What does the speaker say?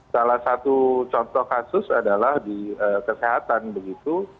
salah satu contoh kasus adalah di kesehatan begitu